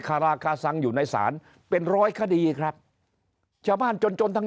คาราคาซังอยู่ในศาลเป็นร้อยคดีครับชาวบ้านจนจนทั้ง